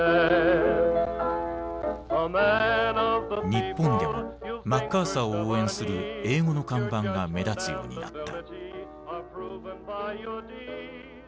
日本でもマッカーサーを応援する英語の看板が目立つようになった。